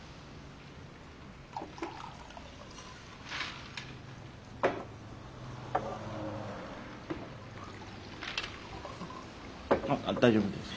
あっ大丈夫です。